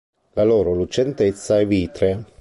La loro lucentezza è vitrea.